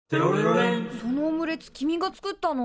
そのオムレツ君が作ったの？